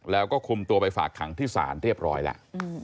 แล้วก็คุมตัวไปฝากขังที่ศาลเรียบร้อยแล้ว